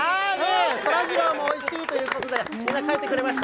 そらジローもおいしいということで、みんな描いてくれました。